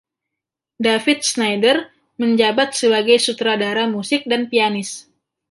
David Snyder menjabat sebagai sutradara musik dan pianis.